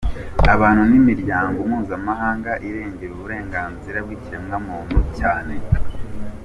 abantu nimiryango mpuzamahanga irengera uburenganzira bwikiremwamuntu cyane.